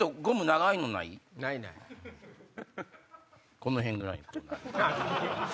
この辺ぐらいの。